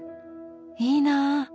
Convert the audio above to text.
いいなぁ。